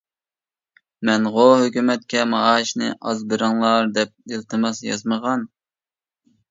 مەنغۇ ھۆكۈمەتكە «مائاشنى ئاز بېرىڭلار» دەپ ئىلتىماس يازمىغان.